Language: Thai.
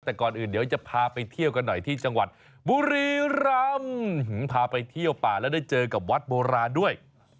แต่ก่อนอื่นเดี๋ยวจะพาไปเที่ยวกันหน่อยที่จังหวัดบุรีรำพาไปเที่ยวป่าแล้วได้เจอกับวัดโบราณด้วย